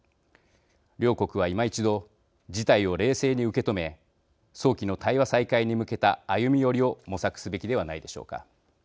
両国は今一度事態を冷静に受け止め早期の対話再開に向けた歩み寄りを模索すべきではないでしょうか。